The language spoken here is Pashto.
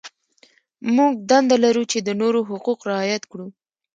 موږ دنده لرو چې د نورو حقوق رعایت کړو.